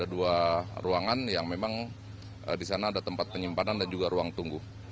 ada dua ruangan yang memang di sana ada tempat penyimpanan dan juga ruang tunggu